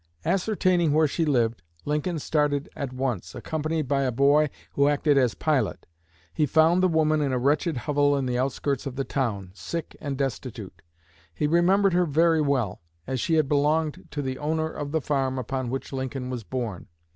Ascertaining where she lived, Lincoln started at once, accompanied by a boy who acted as pilot. He found the woman in a wretched hovel in the outskirts of the town, sick and destitute. He remembered her very well, as she had belonged to the owner of the farm upon which Lincoln was born.